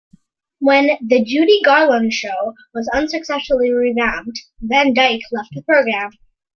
When "The Judy Garland Show" was unsuccessfully revamped, Van Dyke left the program.